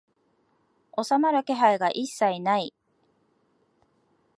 収まる気配が一切ない